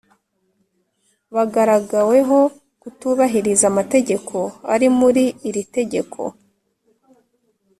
bagaragaweho kutubahiriza amategeko ari muri iritegeko